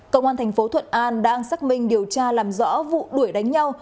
công an thành phố thuận an đang xác minh điều tra làm rõ vụ đuổi đánh nhau